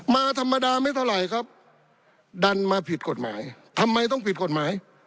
มาธรรมดาไม่เท่าไหร่ครับดันมาผิดกฎหมายทำไมต้องผิดกฎหมาย